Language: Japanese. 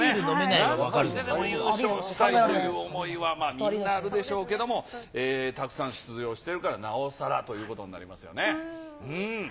なんとしてでも優勝したいという思いは、みんなあるでしょうけれども、たくさん出場しているから、なおさらということになりますよ